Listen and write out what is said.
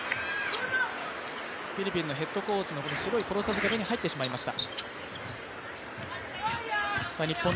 フィリピンのヘッドコーチの白いポロシャツが目に入ってしまいました。